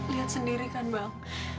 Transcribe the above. lihat sendiri kan bang